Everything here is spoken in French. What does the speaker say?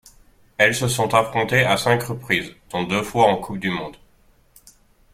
Elles se sont affrontées à cinq reprises, dont deux fois en Coupe du monde.